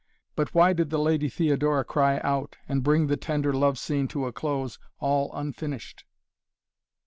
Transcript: But why did the Lady Theodora cry out and bring the tender love scene to a close all unfinished?"